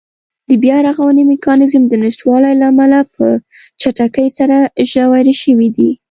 د بیا رغونې میکانېزم د نشتوالي له امله په چټکۍ سره ژورې شوې دي.